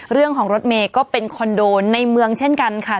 เรื่องของรถเมฆก็เป็นคอนโดในเมืองเช่นกันค่ะ